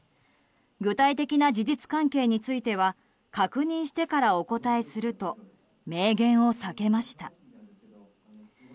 具体的な事実関係については確認してからお答えすると明言を避けました。